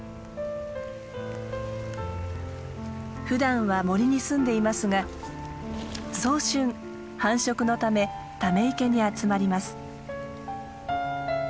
ふだんは森に住んでいますが早春繁殖のためため池に集まります。